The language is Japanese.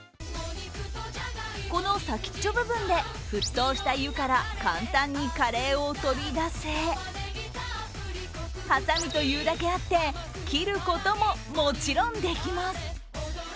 この先っちょ部分で沸騰した湯から簡単にカレーを取り出せはさみというだけあって切ることももちろんできます。